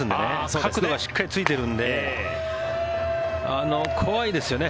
角度がしっかりついているので怖いですよね。